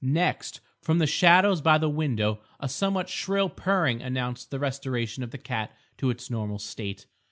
Next, from the shadows by the window, a somewhat shrill purring announced the restoration of the cat to its normal state.